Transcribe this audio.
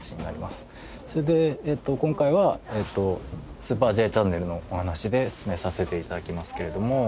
それで今回は『スーパーＪチャンネル』のお話で進めさせて頂きますけれども。